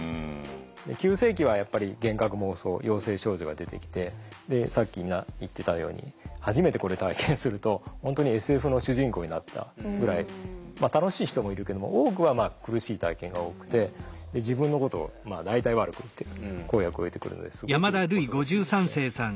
急性期はやっぱり幻覚・妄想陽性症状が出てきてさっき皆言ってたように初めてこれ体験すると本当にＳＦの主人公になったぐらいまあ楽しい人もいるけども多くは苦しい体験が多くて自分のことを大体悪く言ってる声が聞こえてくるのですごく恐ろしいですね。